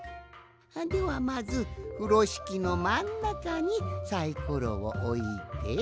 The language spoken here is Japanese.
ではまずふろしきのまんなかにサイコロをおいて。